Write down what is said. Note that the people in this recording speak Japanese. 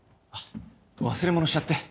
忘れ物しちゃって。